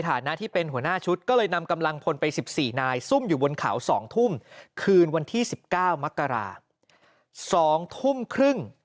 ฐานะที่เป็นหัวหน้าชุดก็เลยนำกำลังพลไป๑๔นายซุ่มอยู่บนเขา๒ทุ่มคืนวันที่๑๙มกรา๒ทุ่มครึ่ง